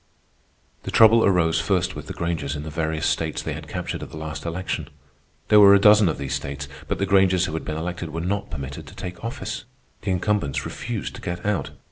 The trouble arose first with the Grangers in the various states they had captured at the last election. There were a dozen of these states, but the Grangers who had been elected were not permitted to take office. The incumbents refused to get out.